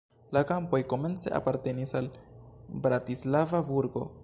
La kampoj komence apartenis al Bratislava burgo.